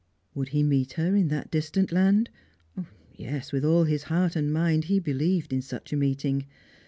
Would he meet her in that distant land ? Yes, with all liis heart and mind he beUeved in such a meeting.